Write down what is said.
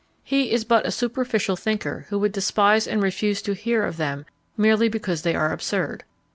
He is but a superficial thinker who would despise and refuse to hear of them merely because they are absurd.